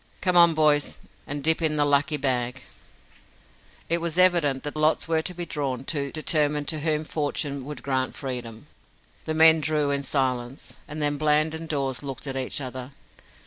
"Come on, boys, and dip in the lucky bag!" It was evident that lots were to be drawn to determine to whom fortune would grant freedom. The men drew in silence, and then Bland and Dawes looked at each other.